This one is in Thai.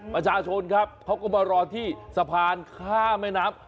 ประชาชนครับเขาก็มารอที่สะพานข้ามแม่น้ำ